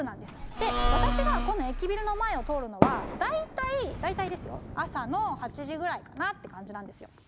で私がこの駅ビルの前を通るのは大体大体ですよ朝の８時ぐらいかなって感じなんですよ。